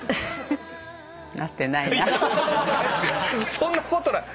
そんなことない！